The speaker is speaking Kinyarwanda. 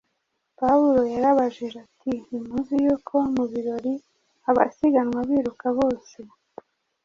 pawulo yarabajije ati: “ntimuzi yuko mu birori abasiganwa biruka bose,